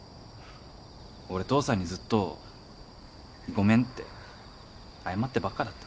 俺父さんにずっとごめんって謝ってばっかだった。